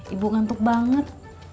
ibu ngantuk banget